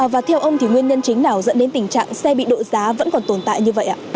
và theo ông thì nguyên nhân chính nào dẫn đến tình trạng xe bị đội giá vẫn còn tồn tại như vậy ạ